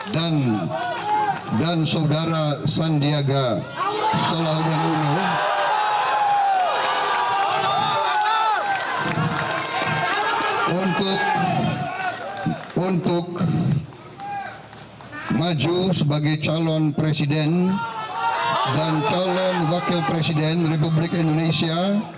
dan saudara sandiaga solahuddinuluh untuk maju sebagai calon presiden dan calon wakil presiden republik indonesia